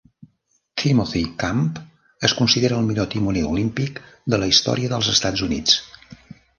Timothy Camp es considera el millor timoner olímpic de la història dels Estats Units.